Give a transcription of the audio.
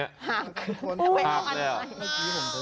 หาก